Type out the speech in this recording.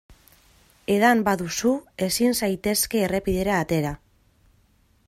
Edan baduzu ezin zaitezke errepidera atera.